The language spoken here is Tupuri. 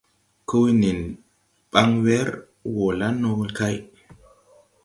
Koo wo nen baŋ wɛr wɔ la no kay.